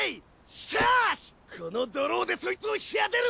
しかしこのドローでそいつを引き当てる！